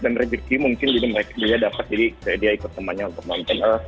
dan rezeki mungkin dia dapat jadi saya ikut temannya untuk nonton